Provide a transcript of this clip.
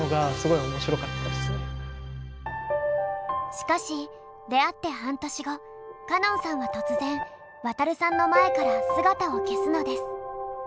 しかし出会って半年後歌音さんは突然ワタルさんの前から姿を消すのです。